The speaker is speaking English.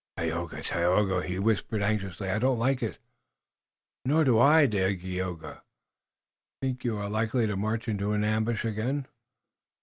"Tayoga! Tayoga!" he whispered anxiously. "I don't like it." "Nor do I, Dagaeoga." "Think you we are likely to march into an ambush again?"